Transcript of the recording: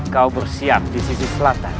kau bersiap di sisi selatan